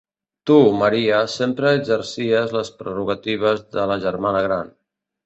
Tu, Maria, sempre exercies les prerrogatives de la germana gran.